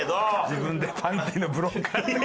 自分で「パンティーのブローカー」って。